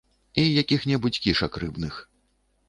І якіх-небудзь кішак рыбных.